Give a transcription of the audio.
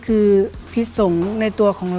ก็พูดว่าวันนี้มีคนจะมาวางยานักมัวให้ระวังดีนะครับ